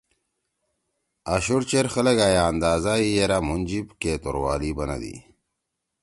آشُوڑ چیر خلگا یے اندازہ ہی یرأ مُھن جیِب کے توروالی بنَدی۔